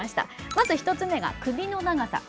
まず１つ目が首の長さ。